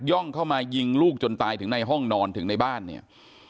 ่องเข้ามายิงลูกจนตายถึงในห้องนอนถึงในบ้านเนี่ย